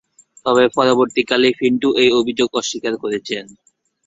তবে পরবর্তীকালে পিন্টু এই অভিযোগ অস্বীকার করেছেন।